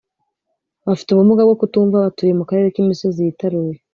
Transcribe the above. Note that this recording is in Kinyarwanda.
bafite ubumuga bwo kutumva batuye mu karere k imisozi yitaruye